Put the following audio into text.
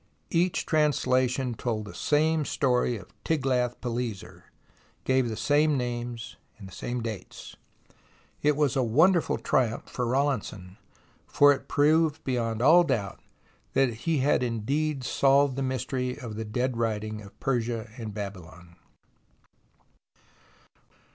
Each translation told the same story of Tiglath pileser, gave the same names and dates ! It was a wonderful triumph for Rawlinson, for it proved beyond all doubt that he had indeed solved the mystery of the dead writing of Persia and Babylon.